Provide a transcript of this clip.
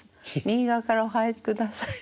右側からお入りください」。